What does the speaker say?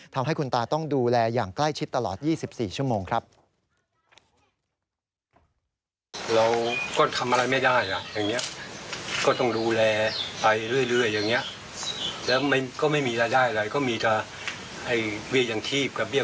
ทำให้คุณตาต้องดูแลอย่างใกล้ชิดตลอด๒๔ชั่วโมงครับ